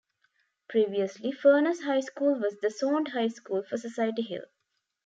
Previously Furness High School was the zoned high school for Society Hill.